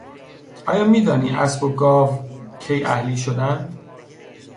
آیا میدانی اسب و گاو کی اهلی شدند؟